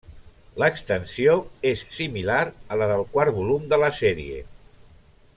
L'extensió és similar a la del quart volum de la sèrie.